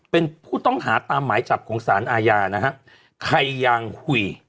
เป็นผู้ต้องหาตามหมายจับของสารอาญานะฮะใครยางหุ่ย